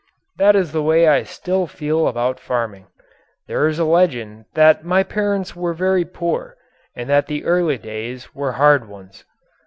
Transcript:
That is the way I still feel about farming. There is a legend that my parents were very poor and that the early days were hard ones.